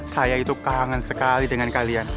saya itu kangen sekali dengan kalian